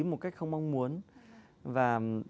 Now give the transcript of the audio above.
một cách không mong muốn và